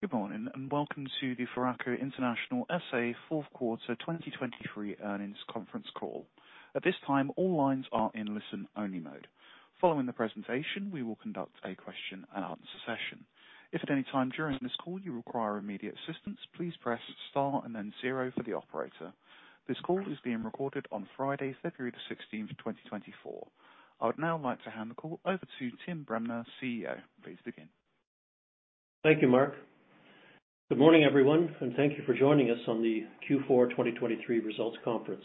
Good morning, and welcome to the Foraco International SA Fourth Quarter 2023 Earnings Conference Call. At this time, all lines are in listen-only mode. Following the presentation, we will conduct a question and answer session. If at any time during this call you require immediate assistance, please press star and then zero for the operator. This call is being recorded on Friday, February 16, 2024. I would now like to hand the call over to Tim Bremner, CEO. Please begin. Thank you, Mark. Good morning, everyone, and thank you for joining us on the Q4 2023 results conference.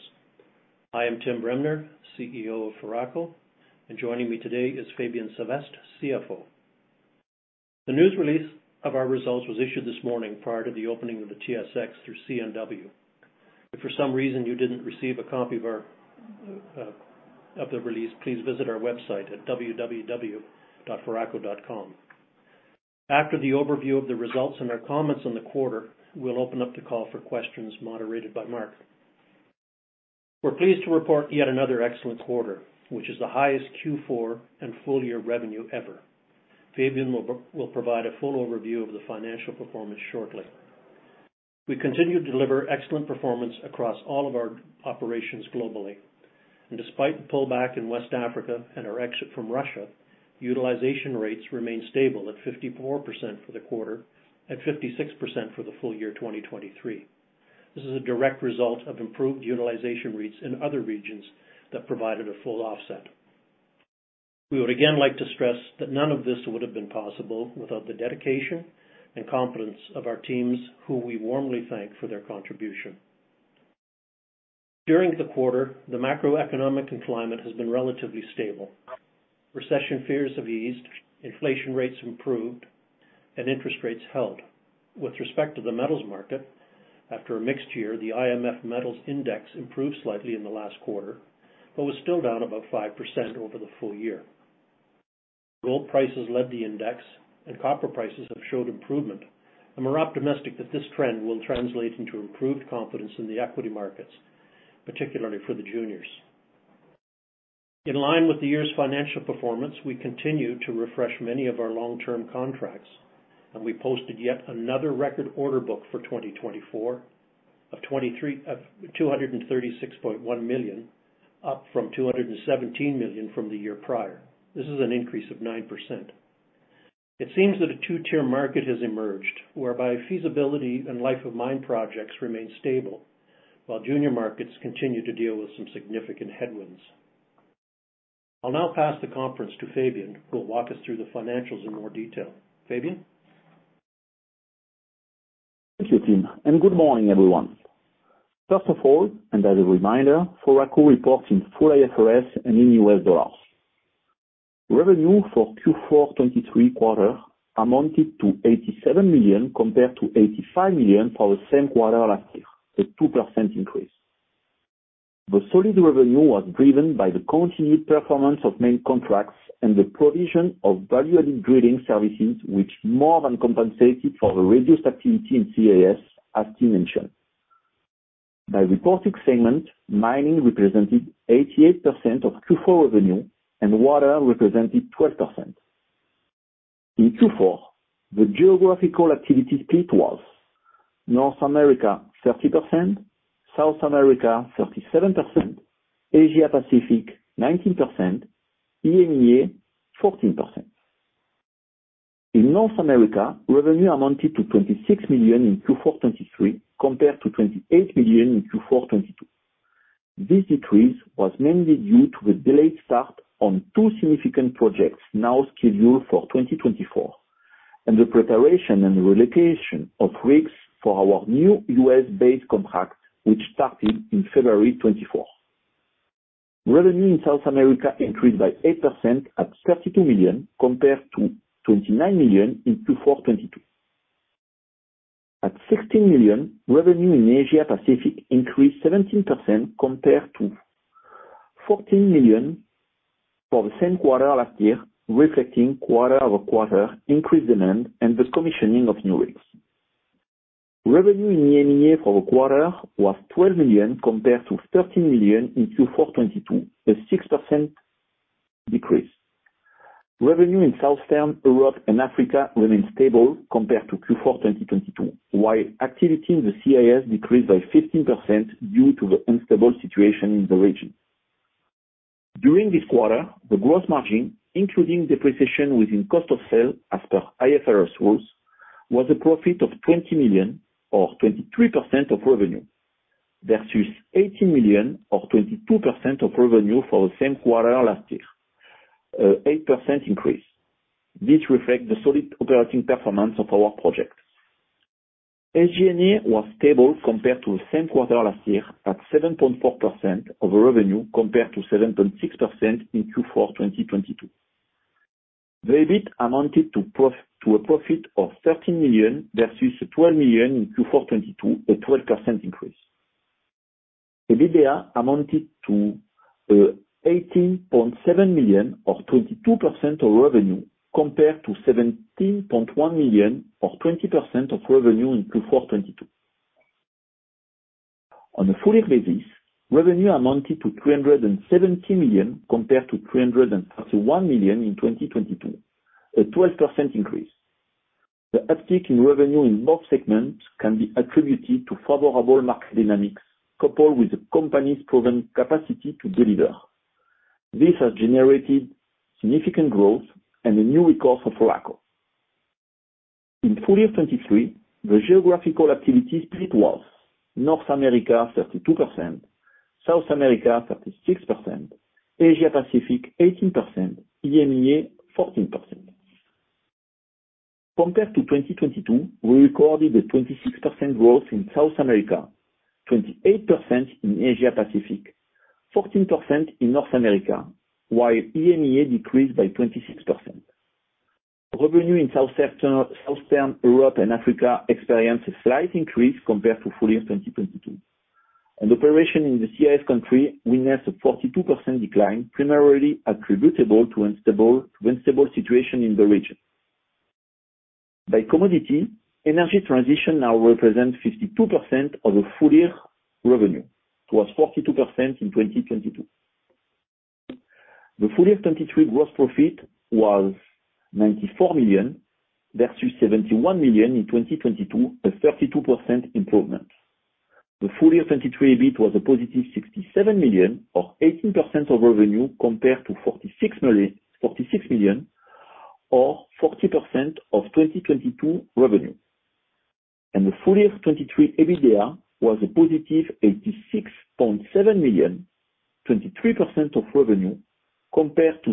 I am Tim Bremner, CEO of Foraco, and joining me today is Fabien Sevestre, CFO. The news release of our results was issued this morning prior to the opening of the TSX through CNW. If for some reason you didn't receive a copy of our release, please visit our website at www.foraco.com. After the overview of the results and our comments on the quarter, we'll open up the call for questions moderated by Mark. We're pleased to report yet another excellent quarter, which is the highest Q4 and full-year revenue ever. Fabien will provide a full overview of the financial performance shortly. We continue to deliver excellent performance across all of our operations globally, and despite the pullback in West Africa and our exit from Russia, utilization rates remain stable at 54% for the quarter, at 56% for the full year 2023. This is a direct result of improved utilization rates in other regions that provided a full offset. We would again like to stress that none of this would have been possible without the dedication and competence of our teams, who we warmly thank for their contribution. During the quarter, the macroeconomic environment has been relatively stable. Recession fears have eased, inflation rates improved, and interest rates held. With respect to the metals market, after a mixed year, the IMF Metals Index improved slightly in the last quarter, but was still down about 5% over the full year. Gold prices led the index, and copper prices have showed improvement. And we're optimistic that this trend will translate into improved confidence in the equity markets, particularly for the juniors. In line with the year's financial performance, we continue to refresh many of our long-term contracts, and we posted yet another record order book for 2024 of $236.1 million, up from $217 million from the year prior. This is an increase of 9%. It seems that a two-tier market has emerged, whereby feasibility and Life of Mine projects remain stable, while junior markets continue to deal with some significant headwinds. I'll now pass the conference to Fabien, who will walk us through the financials in more detail. Fabien? Thank you, Tim, and good morning, everyone. First of all, and as a reminder, Foraco reports in full IFRS and in U.S. dollars. Revenue for Q4 2023 quarter amounted to $87 million, compared to $85 million for the same quarter last year, a 2% increase. The solid revenue was driven by the continued performance of main contracts and the provision of value-added grading services, which more than compensated for the reduced activity in CIS, as Tim mentioned. By reporting segment, mining represented 88% of Q4 revenue and water represented 12%. In Q4, the geographical activity split was: North America, 30%, South America, 37%, Asia Pacific, 19%, EMEA, 14%. In North America, revenue amounted to $26 million in Q4 2023, compared to $28 million in Q4 2022. This decrease was mainly due to the delayed start on two significant projects now scheduled for 2024, and the preparation and relocation of rigs for our new U.S.-based contract, which started in February 2024. Revenue in South America increased by 8% at $32 million, compared to $29 million in Q4 2022. At $16 million, revenue in Asia Pacific increased 17% compared to $14 million for the same quarter last year, reflecting quarter-over-quarter increased demand and the commissioning of new rigs. Revenue in EMEA for the quarter was $12 million compared to $13 million in Q4 2022, a 6% decrease. Revenue in Southern Europe and Africa remained stable compared to Q4 2022, while activity in the CIS decreased by 15% due to the unstable situation in the region. During this quarter, the gross margin, including depreciation within cost of sales as per IFRS rules, was a profit of $20 million or 23% of revenue, versus $18 million or 22% of revenue for the same quarter last year, 8% increase. This reflects the solid operating performance of our projects. SG&A was stable compared to the same quarter last year, at 7.4% of revenue, compared to 7.6% in Q4 2022. The EBIT amounted to a profit of $13 million versus $12 million in Q4 2022, a 12% increase. EBITDA amounted to $18.7 million, or 22% of revenue, compared to $17.1 million or 20% of revenue in Q4 2022. On a full-year basis, revenue amounted to $370 million, compared to $331 million in 2022, a 12% increase. The uptake in revenue in both segments can be attributed to favorable market dynamics, coupled with the company's proven capacity to deliver. This has generated significant growth and a new record for Foraco. In full year 2023, the geographical activity split was North America, 32%, South America, 36%, Asia Pacific, 18%, EMEA, 14%. Compared to 2022, we recorded a 26% growth in South America, 28% in Asia Pacific, 14% in North America, while EMEA decreased by 26%. Revenue in Southern Europe and Africa experienced a slight increase compared to full year 2022, and operation in the CIS country witnessed a 42% decline, primarily attributable to unstable situation in the region. By commodity, Energy Transition now represents 52% of the full year revenue. It was 42% in 2022. The full year 2023 gross profit was $94 million, versus $71 million in 2022, a 32% improvement. The full year 2023 EBIT was a positive $67 million, or 18% of revenue, compared to $46 million, or 40% of 2022 revenue. And the full year 2023 EBITDA was a positive $86.7 million, 23% of revenue, compared to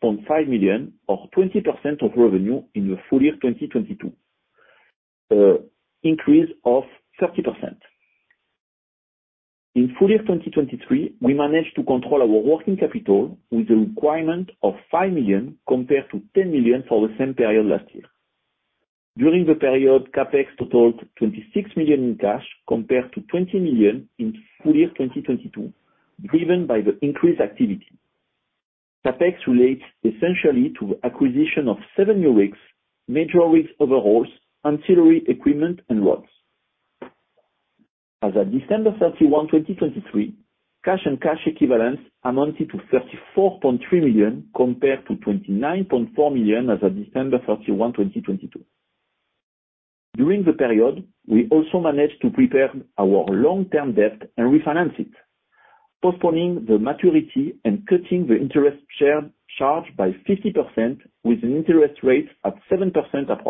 $66.5 million or 20% of revenue in the full year 2022, increase of 30%. In full year 2023, we managed to control our working capital with a requirement of $5 million, compared to $10 million for the same period last year. During the period, CapEx totaled $26 million in cash, compared to $20 million in full year 2022, driven by the increased activity. CapEx relates essentially to the acquisition of seven new rigs, major rigs overhauls, ancillary equipment, and rods. As at December 31, 2023, cash and cash equivalents amounted to $34.3 million, compared to $29.4 million as at December 31, 2022. During the period, we also managed to repay our long-term debt and refinance it, postponing the maturity and cutting the interest charge by 50% with an interest rate at 7% approximately.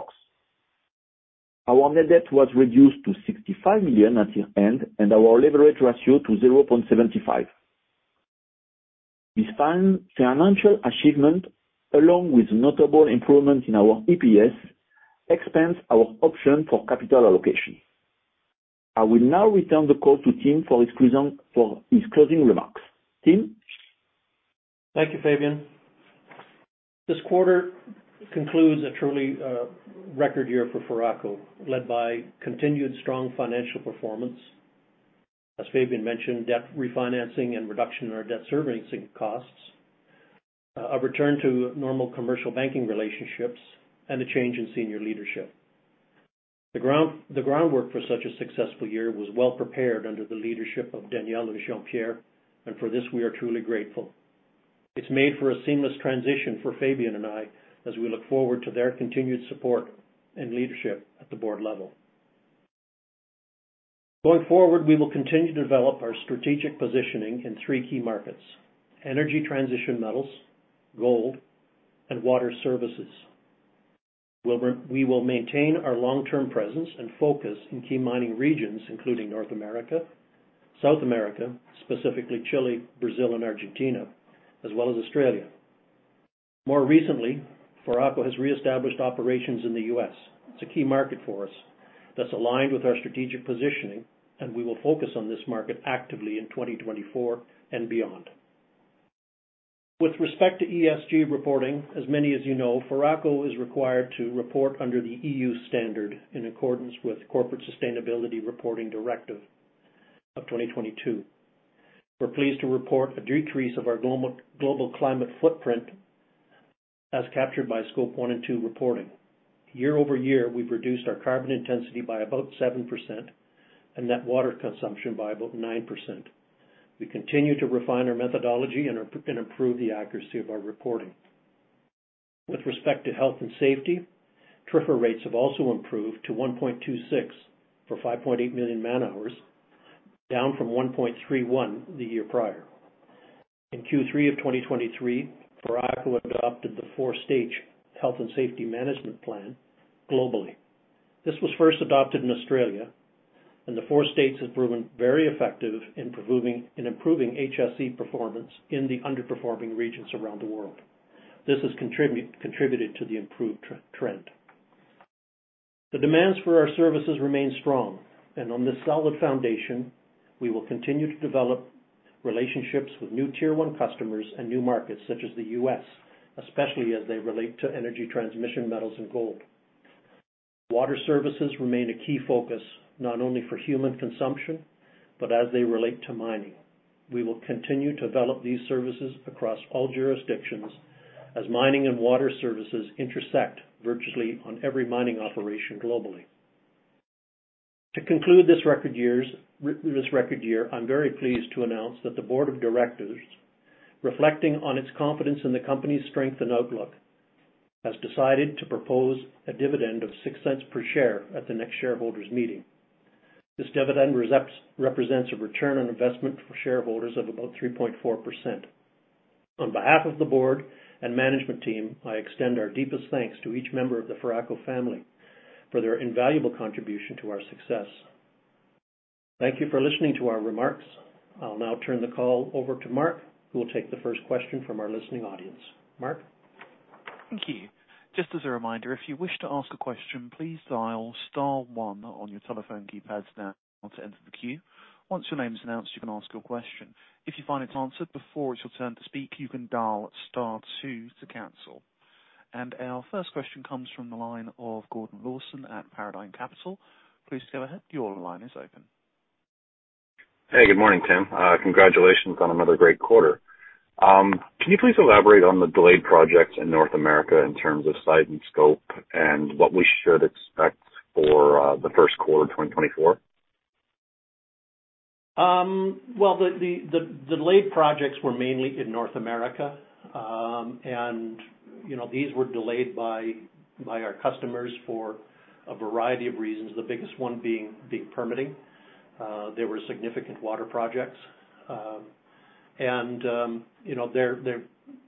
Our net debt was reduced to $65 million at year-end and our leverage ratio to $0.75. This fine financial achievement, along with notable improvement in our EPS, expands our option for capital allocation. I will now return the call to Tim for his closing, for his closing remarks. Tim? Thank you, Fabien. This quarter concludes a truly, record year for Foraco, led by continued strong financial performance. As Fabien mentioned, debt refinancing and reduction in our debt servicing costs, a return to normal commercial banking relationships, and a change in senior leadership. The groundwork for such a successful year was well prepared under the leadership of Daniel and Jean-Pierre, and for this, we are truly grateful. It's made for a seamless transition for Fabien and I, as we look forward to their continued support and leadership at the board level. Going forward, we will continue to develop our strategic positioning in three key markets: Energy Transition metals, gold, and water services. We will maintain our long-term presence and focus in key mining regions, including North America, South America, specifically Chile, Brazil, and Argentina, as well as Australia. More recently, Foraco has reestablished operations in the US. It's a key market for us that's aligned with our strategic positioning, and we will focus on this market actively in 2024 and beyond. With respect to ESG reporting, as many of you know, Foraco is required to report under the EU standard in accordance with Corporate Sustainability Reporting Directive of 2022. We're pleased to report a decrease of our global climate footprint as captured by Scope One and Two reporting. Year-over-year, we've reduced our carbon intensity by about 7% and net water consumption by about 9%. We continue to refine our methodology and improve the accuracy of our reporting. With respect to health and safety, TRIR rates have also improved to 1.26 for 5.8 million man-hours, down from 1.31 the year prior. In Q3 of 2023, Foraco adopted the four-stage health and safety management plan globally. This was first adopted in Australia, and the four stages have proven very effective in improving HSE performance in the underperforming regions around the world. This has contributed to the improved trend. The demands for our services remain strong, and on this solid foundation, we will continue to develop relationships with new Tier 1 customers and new markets such as the U.S., especially as they relate to Energy Transmission, metals, and gold. Water services remain a key focus, not only for human consumption, but as they relate to mining. We will continue to develop these services across all jurisdictions.... as mining and water services intersect virtually on every mining operation globally. To conclude this record year, I'm very pleased to announce that the board of directors, reflecting on its confidence in the company's strength and outlook, has decided to propose a dividend of 0.06 per share at the next shareholders meeting. This dividend represents a return on investment for shareholders of about 3.4%. On behalf of the board and management team, I extend our deepest thanks to each member of the Foraco family for their invaluable contribution to our success. Thank you for listening to our remarks. I'll now turn the call over to Mark, who will take the first question from our listening audience. Mark? Thank you. Just as a reminder, if you wish to ask a question, please dial star one on your telephone keypads now to enter the queue. Once your name is announced, you can ask your question. If you find it's answered before it's your turn to speak, you can dial star two to cancel. And our first question comes from the line of Gordon Lawson at Paradigm Capital. Please go ahead. Your line is open. Hey, good morning, Tim. Congratulations on another great quarter. Can you please elaborate on the delayed projects in North America in terms of site and scope and what we should expect for the first quarter of 2024? Well, the delayed projects were mainly in North America. And, you know, these were delayed by our customers for a variety of reasons, the biggest one being permitting. There were significant water projects. And, you know,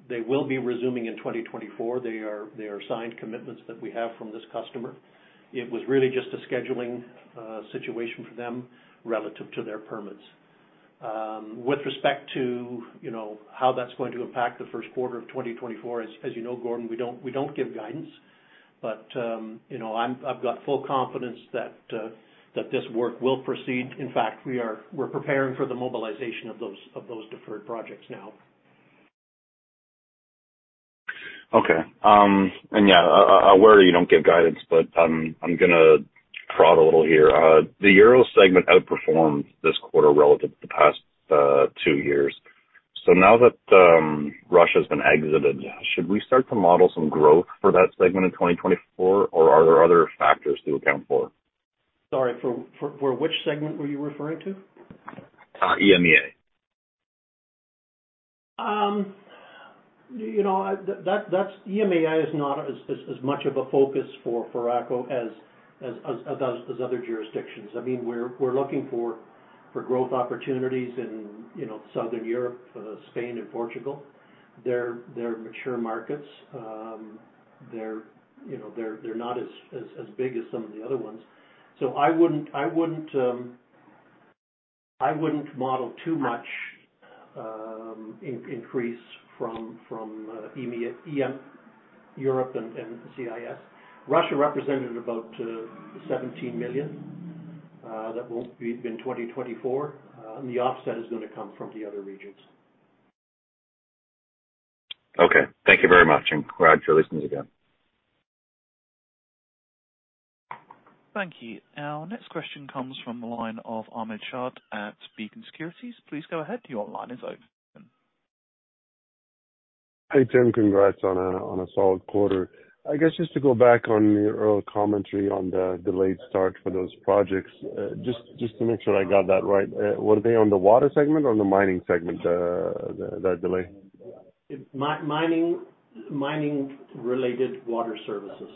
they will be resuming in 2024. They are signed commitments that we have from this customer. It was really just a scheduling situation for them relative to their permits. With respect to, you know, how that's going to impact the first quarter of 2024, as you know, Gordon, we don't give guidance, but, you know, I've got full confidence that this work will proceed. In fact, we are preparing for the mobilization of those deferred projects now. Okay, and, yeah, I'm aware you don't give guidance, but, I'm gonna prod a little here. The Euro segment outperformed this quarter relative to the past two years. So now that Russia has been exited, should we start to model some growth for that segment in 2024, or are there other factors to account for? Sorry, for which segment were you referring to? Uh, EMEA. You know, that's... EMEA is not as much of a focus for Foraco as other jurisdictions. I mean, we're looking for growth opportunities in, you know, Southern Europe, Spain and Portugal. They're mature markets. They're, you know, not as big as some of the other ones. So I wouldn't model too much increase from EMEA, Europe and CIS. Russia represented about $17 million, that won't be in 2024, and the offset is gonna come from the other regions. Okay. Thank you very much, and congrats releasing it again. Thank you. Our next question comes from the line of Ahmad Shaath at Beacon Securities. Please go ahead. Your line is open. Hey, Tim. Congrats on a solid quarter. I guess just to go back on your earlier commentary on the delayed start for those projects, just to make sure I got that right, were they on the water segment or the mining segment, that delay? Mining, mining-related water services.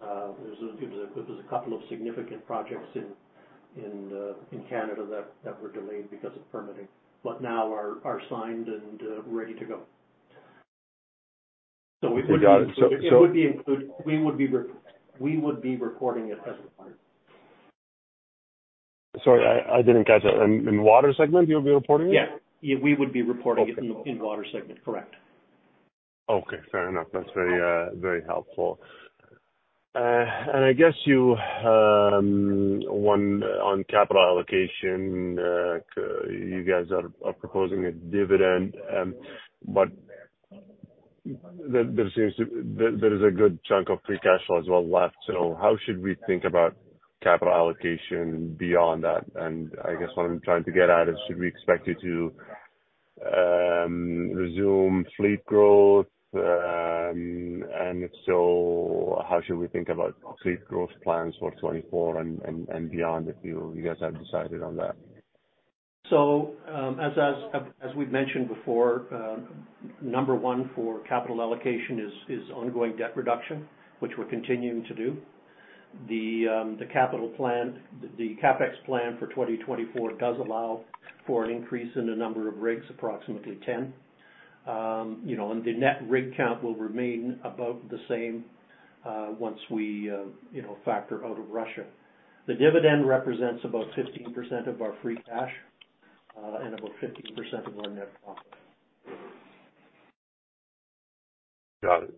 There was a couple of significant projects in Canada that were delayed because of permitting, but now are signed and ready to go. So we got it. It would be included. We would be reporting it as required. Sorry, I didn't catch that. In water segment, you'll be reporting it? Yeah. Yeah, we would be reporting it- Okay. - in water segment. Correct. Okay, fair enough. That's very, very helpful. And I guess you, one, on capital allocation, you guys are proposing a dividend, but there seems to... There is a good chunk of free cash flow as well left. So how should we think about capital allocation beyond that? And I guess what I'm trying to get at is, should we expect you to resume fleet growth? And if so, how should we think about fleet growth plans for 2024 and beyond, if you guys have decided on that? So, as we've mentioned before, number one for capital allocation is ongoing debt reduction, which we're continuing to do. The capital plan, the CapEx plan for 2024 does allow for an increase in the number of rigs, approximately 10. You know, and the net rig count will remain about the same, once we, you know, factor out of Russia. The dividend represents about 15% of our free cash, and about 15% of our net profit. Got it.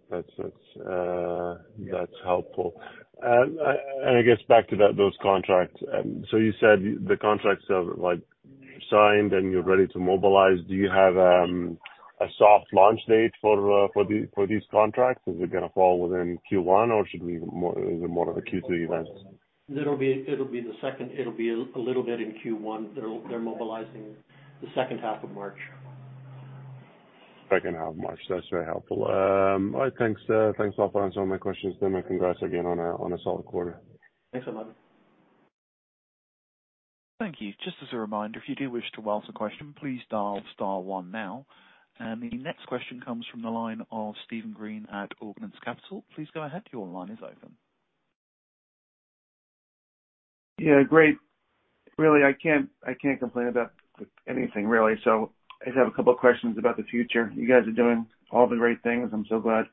That's helpful. And I guess back to that, those contracts. So you said the contracts are, like, signed and you're ready to mobilize. Do you have a soft launch date for these contracts? Is it gonna fall within Q1, or is it more of a Q2 event? It'll be a little bit in Q1. They're mobilizing the second half of March. Second half of March. That's very helpful. All right, thanks, thanks a lot for answering all my questions then, and congrats again on a, on a solid quarter. Thanks a lot. Thank you. Just as a reminder, if you do wish to ask a question, please dial star one now. The next question comes from the line of Steven Green at Ordnance Capital. Please go ahead. Your line is open. Yeah, great. Really, I can't, I can't complain about anything, really. So I just have a couple of questions about the future. You guys are doing all the great things. I'm so glad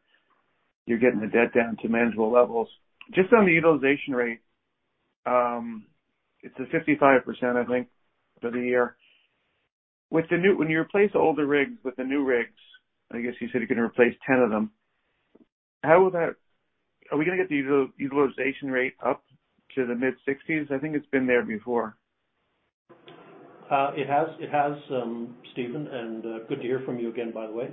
you're getting the debt down to manageable levels. Just on the utilization rate, it's 55%, I think, for the year. When you replace older rigs with the new rigs, I guess you said you're gonna replace 10 of them, how will that... Are we gonna get the utilization rate up to the mid-60s? I think it's been there before. It has, Steven, and good to hear from you again, by the way.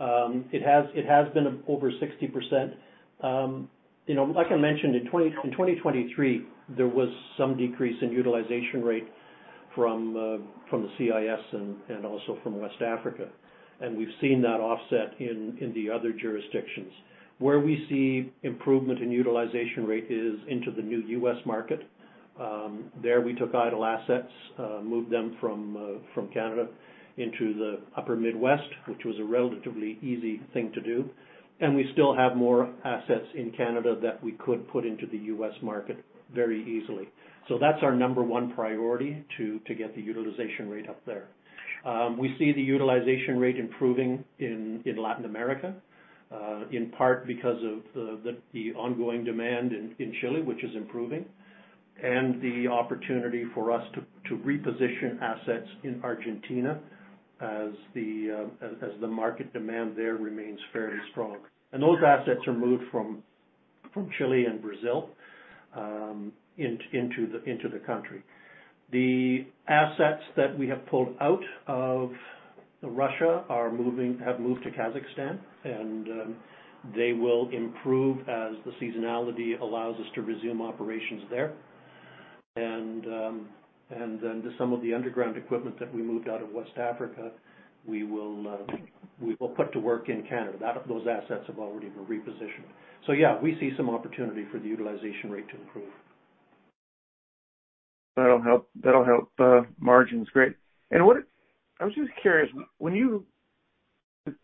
It has been over 60%. You know, like I mentioned, in 2023, there was some decrease in utilization rate from the CIS and also from West Africa, and we've seen that offset in the other jurisdictions. Where we see improvement in utilization rate is into the new U.S. market. There we took idle assets, moved them from Canada into the Upper Midwest, which was a relatively easy thing to do, and we still have more assets in Canada that we could put into the U.S. market very easily. So that's our number one priority, to get the utilization rate up there. We see the utilization rate improving in Latin America, in part because of the ongoing demand in Chile, which is improving, and the opportunity for us to reposition assets in Argentina as the market demand there remains fairly strong. And those assets are moved from Chile and Brazil into the country. The assets that we have pulled out of Russia have moved to Kazakhstan, and they will improve as the seasonality allows us to resume operations there. And then some of the underground equipment that we moved out of West Africa, we will put to work in Canada. Those assets have already been repositioned. So yeah, we see some opportunity for the utilization rate to improve. That'll help, that'll help margins. Great. And what... I was just curious, when you--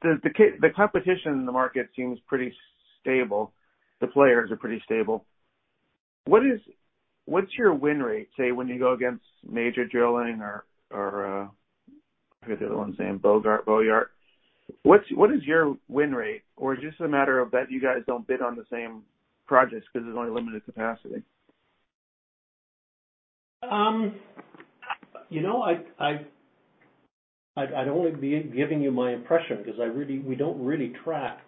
the competition in the market seems pretty stable. The players are pretty stable. What is... What's your win rate, say, when you go against Major Drilling or, or, what are the other ones? Boart Longyear? What's your win rate, or just a matter of that you guys don't bid on the same projects because there's only limited capacity? You know, I'd only be giving you my impression because we don't really track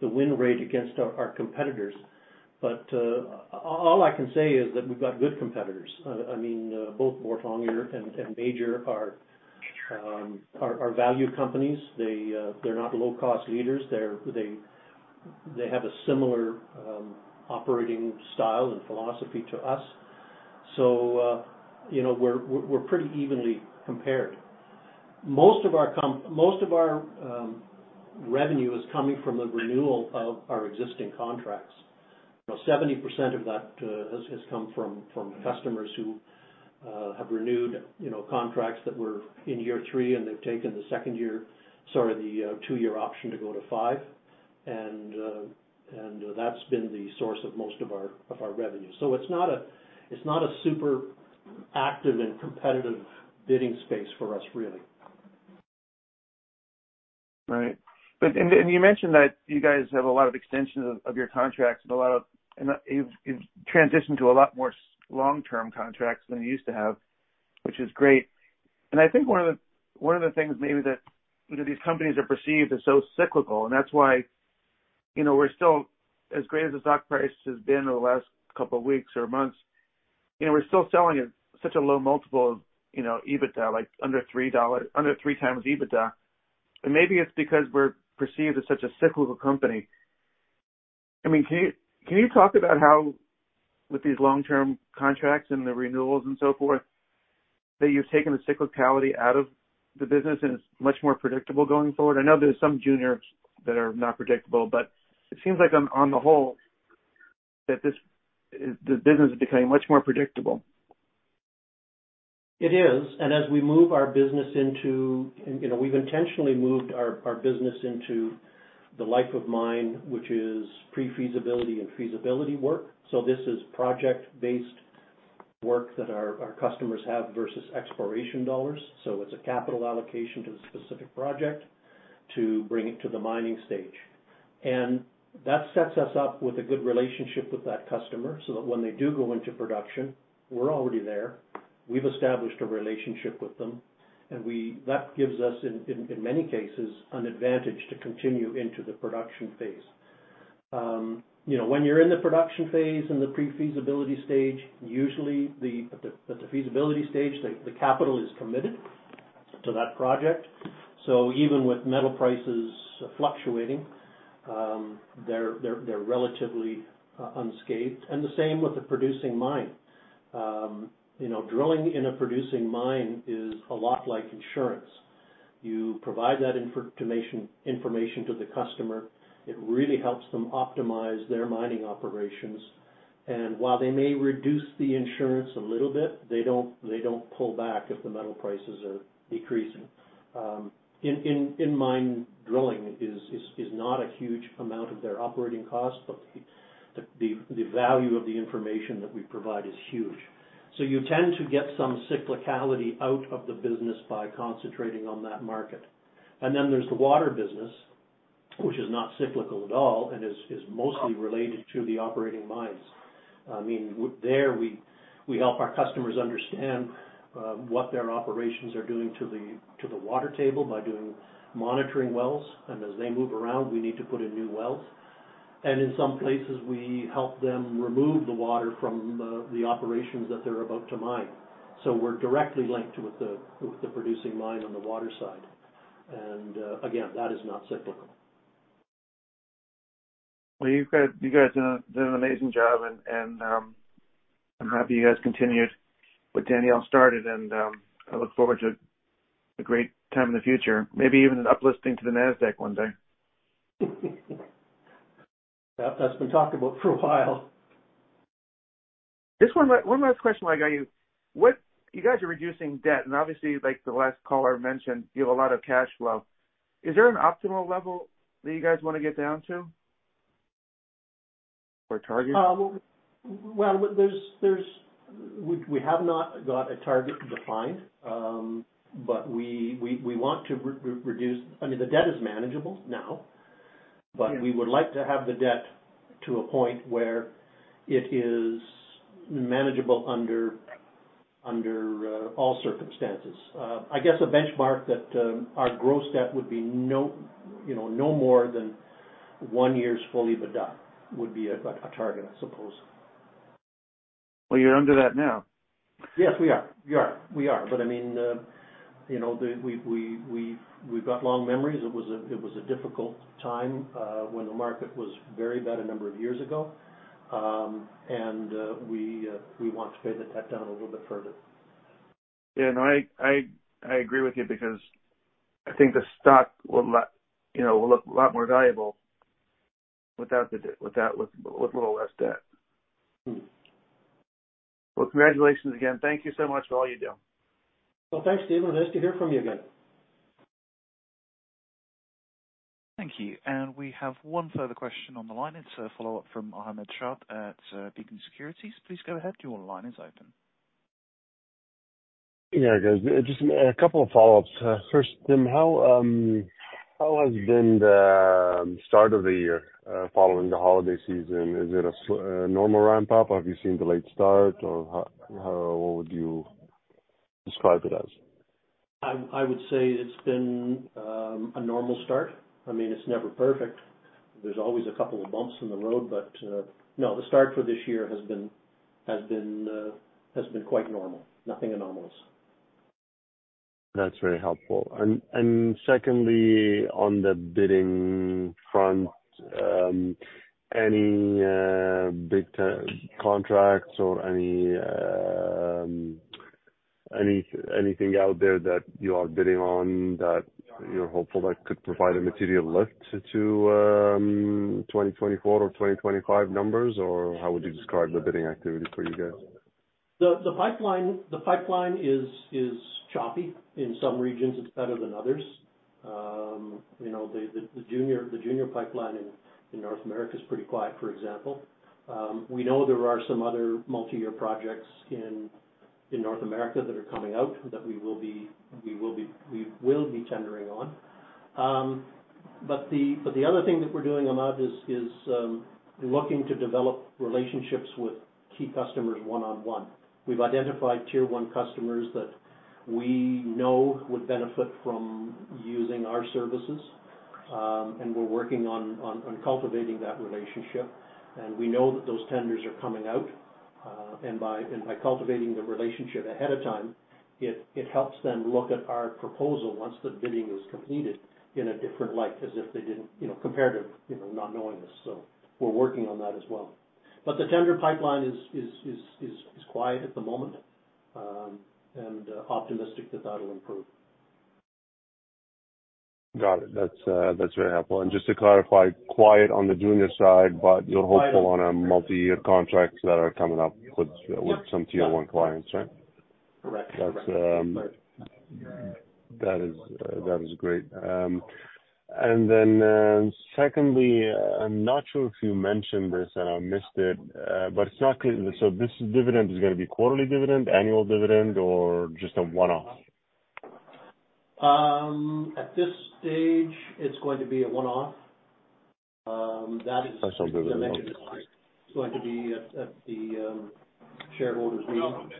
the win rate against our competitors. But all I can say is that we've got good competitors. I mean, both Boart Longyear and Major Drilling are valued companies. They’re not low-cost leaders. They have a similar operating style and philosophy to us. So, you know, we're pretty evenly compared. Most of our revenue is coming from the renewal of our existing contracts. 70% of that has come from customers who have renewed, you know, contracts that were in year three, and they've taken the second year, sorry, the two-year option to go to five. That's been the source of most of our revenue. So it's not a super active and competitive bidding space for us, really. Right. But... And you mentioned that you guys have a lot of extensions of your contracts and a lot of, and you've transitioned to a lot more long-term contracts than you used to have, which is great. And I think one of the things maybe that, you know, these companies are perceived as so cyclical, and that's why, you know, we're still, as great as the stock price has been over the last couple of weeks or months, you know, we're still selling at such a low multiple of, you know, EBITDA, like under three dollars—under three times EBITDA. And maybe it's because we're perceived as such a cyclical company. I mean, can you, can you talk about how, with these long-term contracts and the renewals and so forth, that you've taken the cyclicality out of the business and it's much more predictable going forward? I know there's some juniors that are not predictable, but it seems like on, on the whole, that this, the business is becoming much more predictable. It is, and as we move our business into, you know, we've intentionally moved our business into the Life of Mine, which is Pre-Feasibility and Feasibility work. So this is project-based work that our customers have versus exploration dollars. So it's a capital allocation to the specific project to bring it to the mining stage. And that sets us up with a good relationship with that customer, so that when they do go into production, we're already there. We've established a relationship with them, and we. That gives us, in many cases, an advantage to continue into the production phase. You know, when you're in the production phase, in the Pre-Feasibility stage, usually at the Feasibility stage, the capital is committed to that project. So even with metal prices fluctuating, they're relatively unscathed. The same with the producing mine. You know, drilling in a producing mine is a lot like insurance. You provide that information to the customer; it really helps them optimize their mining operations. And while they may reduce the insurance a little bit, they don't pull back if the metal prices are decreasing. In mine drilling is not a huge amount of their operating cost, but the value of the information that we provide is huge. So you tend to get some cyclicality out of the business by concentrating on that market. And then there's the water business, which is not cyclical at all and is mostly related to the operating mines. I mean, we help our customers understand what their operations are doing to the water table by doing monitoring wells. And as they move around, we need to put in new wells. And in some places, we help them remove the water from the operations that they're about to mine. So we're directly linked with the producing mine on the water side. And again, that is not cyclical. Well, you guys done an amazing job, and I'm happy you guys continued what Daniel started, and I look forward to a great time in the future. Maybe even an uplisting to the Nasdaq one day. That's been talked about for a while. Just one last question while I got you. What... You guys are reducing debt, and obviously, like the last caller mentioned, you have a lot of cash flow. Is there an optimal level that you guys wanna get down to or target? Well, we have not got a target defined, but we want to reduce... I mean, the debt is manageable now- Yeah. But we would like to have the debt to a point where it is manageable under all circumstances. I guess a benchmark that our gross debt would be no, you know, no more than one year's fully of EBITDA would be a target, I suppose. Well, you're under that now. Yes, we are. We are, we are. But I mean, you know, we've got long memories. It was a difficult time when the market was very bad a number of years ago. We want to pay the debt down a little bit further. Yeah, and I agree with you because I think the stock will, you know, will look a lot more valuable without the, with that, with a little less debt. Mm-hmm. Well, congratulations again. Thank you so much for all you do. Well, thanks, Steven. Nice to hear from you again. Thank you. We have one further question on the line. It's a follow-up from Ahmad Shaath at Beacon Securities. Please go ahead. Your line is open. Yeah, guys, just a couple of follow-ups. First, Tim, how has been the start of the year following the holiday season? Is it a normal ramp up, or have you seen the late start, or how, what would you describe it as? I would say it's been a normal start. I mean, it's never perfect. There's always a couple of bumps in the road, but no, the start for this year has been quite normal. Nothing anomalous. That's very helpful. And secondly, on the bidding front, any big contracts or anything out there that you are bidding on, that you're hopeful that could provide a material lift to 2024 or 2025 numbers? Or how would you describe the bidding activity for you guys? The pipeline is choppy. In some regions, it's better than others. You know, the junior pipeline in North America is pretty quiet, for example. We know there are some other multi-year projects in North America that are coming out, that we will be tendering on. But the other thing that we're doing, Ahmad, is looking to develop relationships with key customers one-on-one. We've identified Tier 1 customers that we know would benefit from using our services, and we're working on cultivating that relationship. We know that those tenders are coming out, and by cultivating the relationship ahead of time, it helps them look at our proposal once the bidding is completed in a different light, as if they didn't... You know, compared to, you know, not knowing us, so we're working on that as well. But the tender pipeline is quiet at the moment, and optimistic that that will improve. Got it. That's, that's very helpful. Just to clarify, quiet on the junior side, but you're hopeful on a multi-year contracts that are coming up with some Tier 1 clients, right? Correct. That is great. And then, secondly, I'm not sure if you mentioned this, and I missed it, but it's not clear. So this dividend is gonna be quarterly dividend, annual dividend, or just a one-off? At this stage, it's going to be a one-off. That is- Special dividend. It's going to be at the shareholders' meeting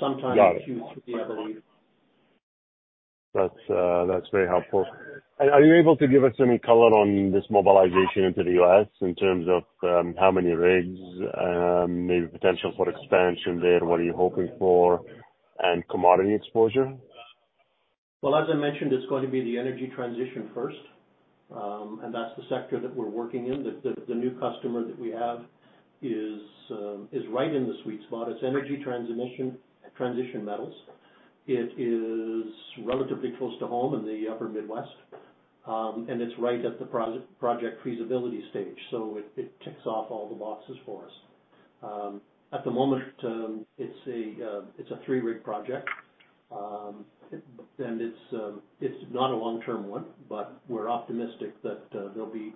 sometime- Got it. Q3, I believe.... That's, that's very helpful. And are you able to give us any color on this mobilization into the U.S. in terms of, how many rigs, maybe potential for expansion there? What are you hoping for and commodity exposure? Well, as I mentioned, it's going to be the Energy Transition first. And that's the sector that we're working in. The new customer that we have is right in the sweet spot. It's Energy Transmission, transition metals. It is relatively close to home in the Upper Midwest. And it's right at the project feasibility stage, so it ticks off all the boxes for us. At the moment, it's a three-rig project. And it's not a long-term one, but we're optimistic that there'll be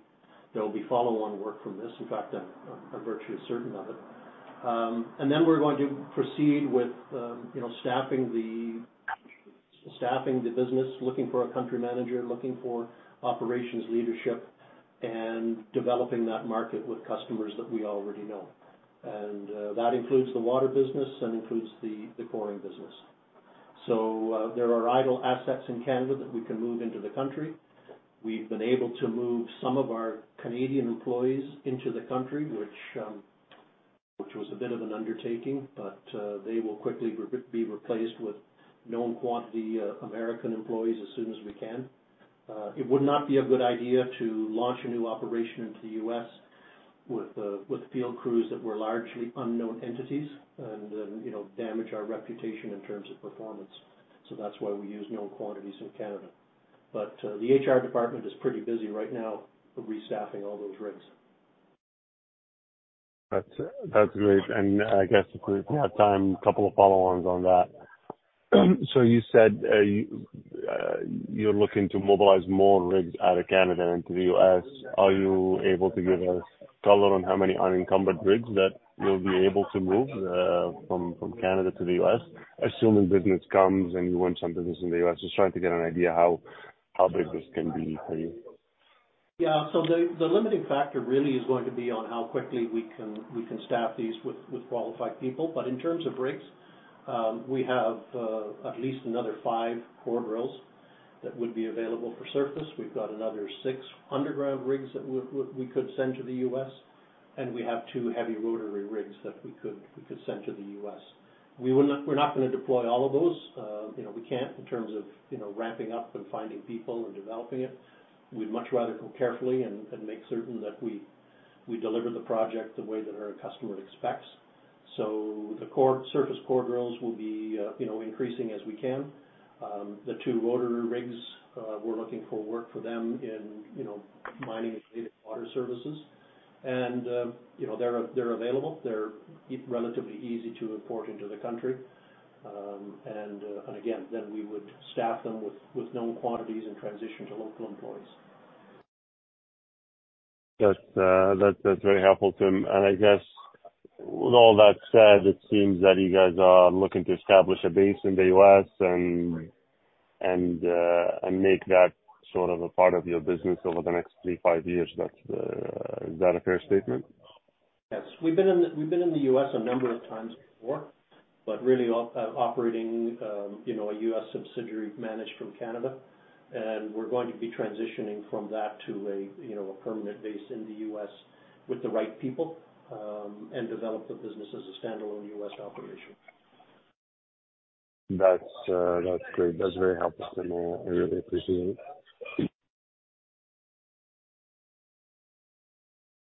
follow-on work from this. In fact, I'm virtually certain of it. And then we're going to proceed with, you know, staffing the business, looking for a country manager, looking for operations leadership, and developing that market with customers that we already know. That includes the water business, and includes the coring business. There are idle assets in Canada that we can move into the country. We've been able to move some of our Canadian employees into the country, which was a bit of an undertaking, but they will quickly be replaced with known quantity American employees, as soon as we can. It would not be a good idea to launch a new operation into the U.S. with field crews that were largely unknown entities and then, you know, damage our reputation in terms of performance. So that's why we use known quantities in Canada. But the HR department is pretty busy right now with restaffing all those rigs. That's, that's great. And I guess if we have time, a couple of follow-ons on that. So you said, you're looking to mobilize more rigs out of Canada into the U.S. Are you able to give us color on how many unencumbered rigs that you'll be able to move, from Canada to the U.S., assuming business comes and you win some business in the U.S.? Just trying to get an idea how big this can be for you. Yeah, so the limiting factor really is going to be on how quickly we can staff these with qualified people. But in terms of rigs, we have at least another five core drills that would be available for surface. We've got another six underground rigs that we could send to the U.S., and we have two heavy rotary rigs that we could send to the U.S. We would not. We're not gonna deploy all of those. You know, we can't, in terms of, you know, ramping up and finding people and developing it. We'd much rather go carefully and make certain that we deliver the project the way that our customer expects. So the core, surface core drills will be, you know, increasing as we can. The two rotary rigs, we're looking for work for them in, you know, mining-related water services. And, you know, they're available. They're relatively easy to import into the country. And again, then we would staff them with known quantities and transition to local employees. That's very helpful, Tim. And I guess with all that said, it seems that you guys are looking to establish a base in the U.S. and make that sort of a part of your business over the next 3-5 years. That's... Is that a fair statement? Yes. We've been in the U.S. a number of times before, but really, operating, you know, a U.S. subsidiary managed from Canada. And we're going to be transitioning from that to a, you know, a permanent base in the U.S. with the right people, and develop the business as a standalone U.S. operation. That's, that's great. That's very helpful, Tim, I really appreciate it.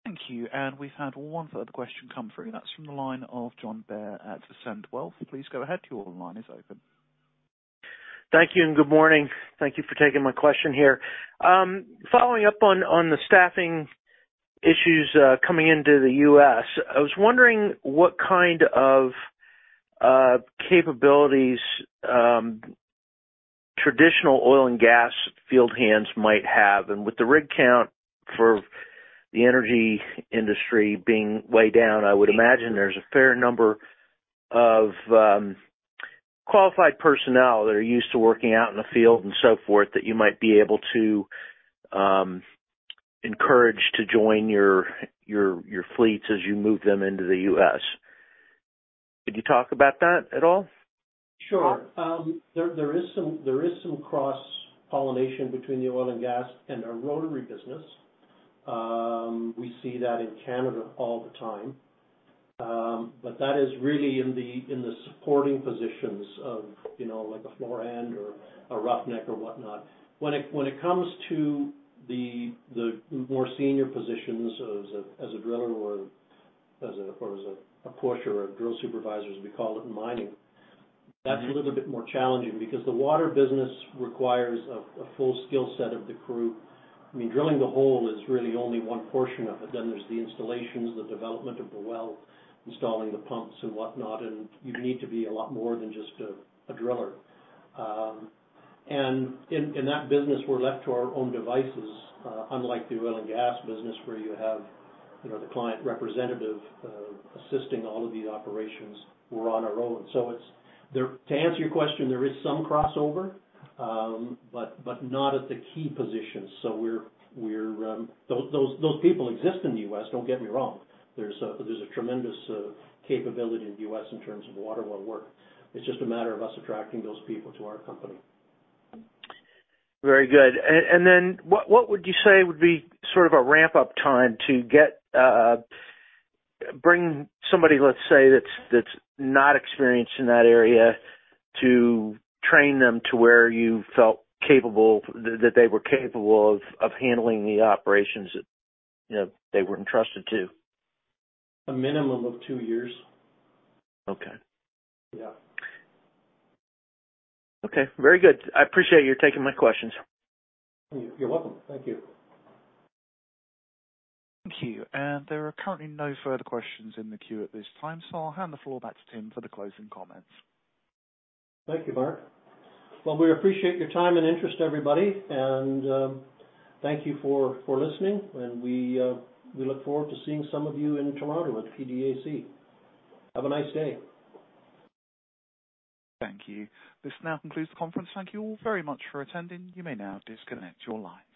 Thank you. And we've had one further question come through. That's from the line of John Baer at Ascent Wealth. Please go ahead. Your line is open. Thank you and good morning. Thank you for taking my question here. Following up on the staffing issues, coming into the U.S., I was wondering what kind of capabilities traditional oil and gas field hands might have. With the rig count for the energy industry being way down, I would imagine there's a fair number of qualified personnel that are used to working out in the field and so forth, that you might be able to encourage to join your fleets as you move them into the U.S. Could you talk about that at all? Sure. There is some cross-pollination between the oil and gas and our rotary business. We see that in Canada all the time. But that is really in the supporting positions of, you know, like a floor hand or a roughneck or whatnot. When it comes to the more senior positions as a driller or as a pusher or a drill supervisor, as we call it in mining, that's a little bit more challenging because the water business requires a full skill set of the crew. I mean, drilling the hole is really only one portion of it. Then there's the installations, the development of the well, installing the pumps and whatnot, and you need to be a lot more than just a driller. And in that business, we're left to our own devices, unlike the oil and gas business, where you have, you know, the client representative assisting all of these operations, we're on our own. So it's. To answer your question, there is some crossover, but not at the key positions. So, those people exist in the U.S., don't get me wrong. There's a tremendous capability in the U.S. in terms of water well work. It's just a matter of us attracting those people to our company. Very good. And then what would you say would be sort of a ramp-up time to get, bring somebody, let's say, that's not experienced in that area, to train them to where you felt capable, that they were capable of handling the operations that, you know, they were entrusted to? A minimum of two years. Okay. Yeah. Okay. Very good. I appreciate you taking my questions. You're welcome. Thank you. Thank you, and there are currently no further questions in the queue at this time, so I'll hand the floor back to Tim for the closing comments. Thank you, Mark. Well, we appreciate your time and interest, everybody, and thank you for listening, and we look forward to seeing some of you in Toronto at PDAC. Have a nice day. Thank you. This now concludes the conference. Thank you all very much for attending. You may now disconnect your lines.